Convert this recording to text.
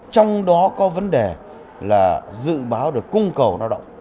trong đó có vấn đề là dự báo được cung cầu lao động